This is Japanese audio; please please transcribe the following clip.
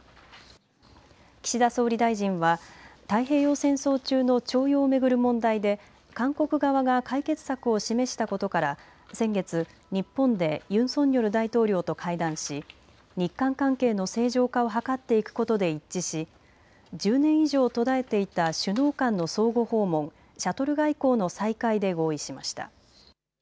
岸田総理大臣は太平洋戦争中の徴用を巡る問題で韓国側が解決策を示したことから先月、日本でユン・ソンニョル大統領と会談し日韓関係の正常化を図っていくことで一致し１０年以上、途絶えていた首脳間の相互訪問、シャトル外交の再開で合意しました。